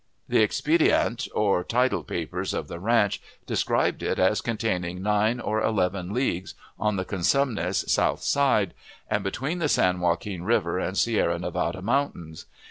The expediente, or title papers, of the ranch described it as containing nine or eleven leagues on the Cosumnes, south side, and between the San Joaquin River and Sierra Nevada Mountains.